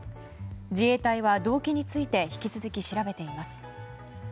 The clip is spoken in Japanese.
自衛隊は動機について引き続き調べています。